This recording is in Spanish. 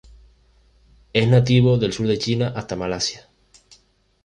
Es nativo del sur de China hasta Malasia.